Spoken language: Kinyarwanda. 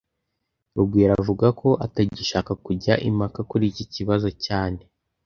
Rugwiro avuga ko atagishaka kujya impaka kuri iki kibazo cyane